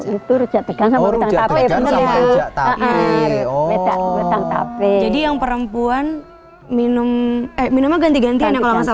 itu itu rujak tegang sama rujak tapi jadi yang perempuan minum minum ganti gantian yang kalau